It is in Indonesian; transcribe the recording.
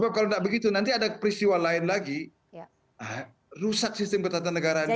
nah kalau tidak begitu nanti ada peristiwa lain lagi rusak sistem ketatanegaraan kita